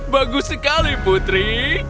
bagus sekali putri